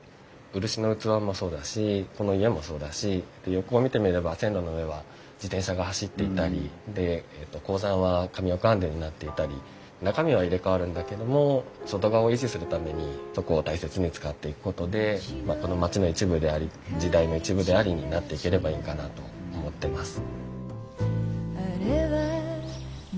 漆の器もそうだしこの家もそうだし横を見てみれば線路の上は自転車が走っていたりで鉱山はカミオカンデになっていたり中身は入れ代わるんだけども外側を維持するためにそこを大切に使っていくことでまあこの町の一部であり時代の一部でありになっていければいいんかなと思ってます。